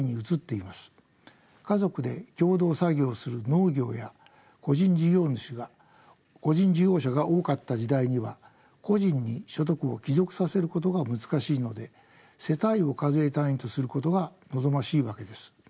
家族で共働作業する農業や個人事業者が多かった時代には個人に所得を帰属させることが難しいので世帯を課税単位とすることが望ましいわけです。